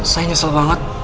saya nyesel banget